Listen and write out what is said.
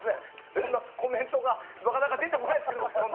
このコメントが、なかなか出てこないんですよ。